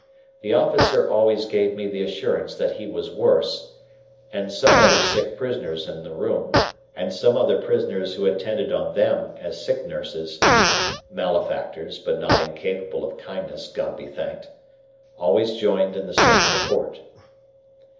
The officer always gave me the assurance that he was worse, and some other sick prisoners in the room, and some other prisoners who attended on them as sick nurses, (malefactors, but not incapable of kindness, God be thanked!) always joined in the same report.